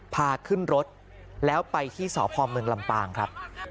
พาขึ้นรถแล้วไปที่สพเมืองลำปางครับ